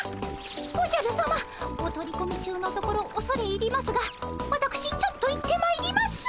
おじゃるさまお取り込み中のところおそれ入りますがわたくしちょっと行ってまいります。